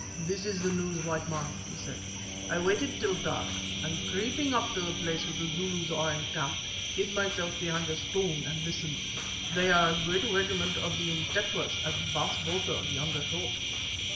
"This is the news, white men," he said. "I waited till dark, and creeping up to the place where the Zulus are encamped, hid myself behind a stone and listened. They are a great regiment of Umtetwas as Baas Botha yonder thought.